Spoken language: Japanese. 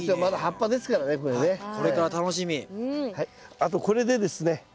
あとこれでですね